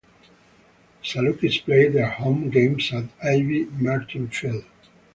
The Salukis played their home games at Abe Martin Field.